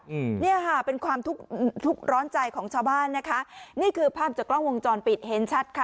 อืมเนี่ยค่ะเป็นความทุกข์ทุกร้อนใจของชาวบ้านนะคะนี่คือภาพจากกล้องวงจรปิดเห็นชัดค่ะ